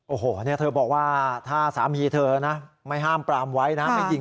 โอ้โหเนี้ยเธอบอกว่าถ้าสามีเธอนะไม่ห้ามกลามไว้นะอ่า